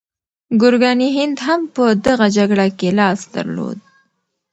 ګورګاني هند هم په دغه شخړه کې لاس درلود.